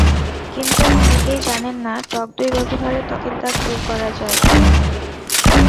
কিন্তু অনেকেই জানেন না টকদই ব্যবহারে ত্বকের দাগ দূর করা যায়।